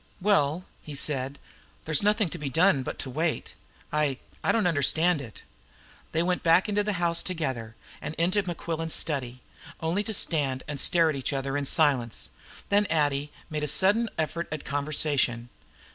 "Well," he said, "there's nothing to be done but to wait. I I don't understand it." They went back into the house together, and into Mequillen's study, only to stand and stare at each other in silence. Then Addie made a sudden effort at conversation.